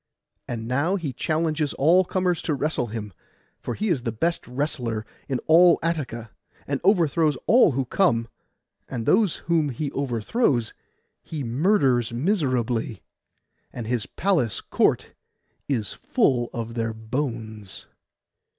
And now he challenges all comers to wrestle with him, for he is the best wrestler in all Attica, and overthrows all who come; and those whom he overthrows he murders miserably, and his palace court is full of their bones.